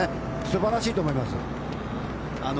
素晴らしいと思います。